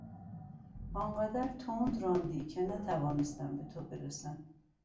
آنقدر تند راندی که نتوانستم به تو برسم.